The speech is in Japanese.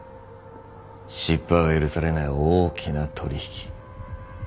失敗は許されない大きな取引。